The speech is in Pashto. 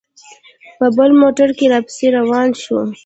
په بل موټر کې را پسې روان شو.